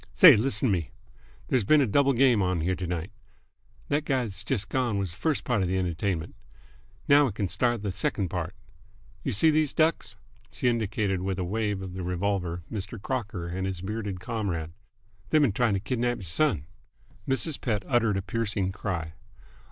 "Say, list'n t' me. There's been a double game on here t'night. That guy that's jus' gone was th' first part of th' entertainment. Now we c'n start th' sec'nd part. You see these ducks?" She indicated with a wave of the revolver Mr. Crocker and his bearded comrade. "They've been trying t' kidnap y'r son!" Mrs. Pett uttered a piercing cry.